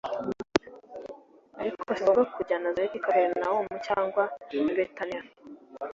Ariko si ngombwa kujya i Nazareti, Kaperinawumu cyangwa i Betaniya